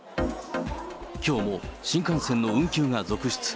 きょうも新幹線の運休が続出。